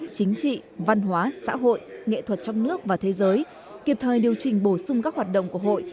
chính trị văn hóa xã hội nghệ thuật trong nước và thế giới kịp thời điều chỉnh bổ sung các hoạt động của hội